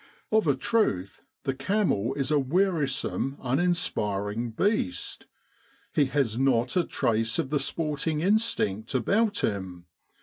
Of a truth, the camel is a wearisome, uninspiring beast. He has not a trace of the sporting instinct about him.